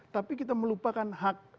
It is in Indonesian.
tapi kita melupakan hak